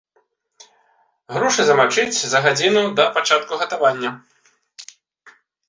Грушы замачыць за гадзіну да пачатку гатавання.